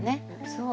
そう。